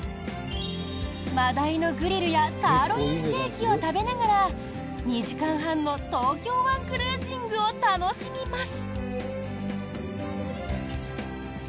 マダイのグリルやサーロインステーキを食べながら２時間半の東京湾クルージングを楽しみます。